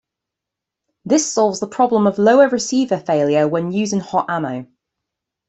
This solves the problem of lower receiver failure when using hot ammo.